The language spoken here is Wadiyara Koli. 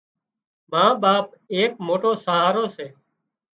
ما ٻاپ ايڪ موٽو سهارو سي